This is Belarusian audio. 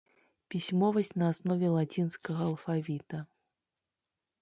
Пісьмовасць на аснове лацінскага алфавіта.